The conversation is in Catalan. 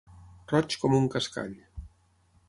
Roig com un cascall.